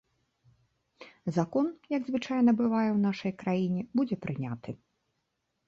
Закон, як звычайна бывае ў нашай краіне, будзе прыняты.